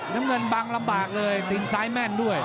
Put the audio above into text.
น้ำเงินบังลำบากเลยตีนซ้ายแม่นด้วย